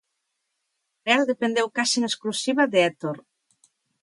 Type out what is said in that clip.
A Real dependeu case en exclusiva de Héctor.